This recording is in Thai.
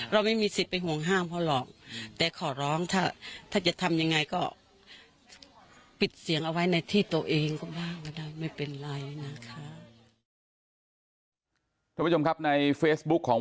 เราไม่มีสิทธิ์ไปห่วงห้ามเพราะหรอก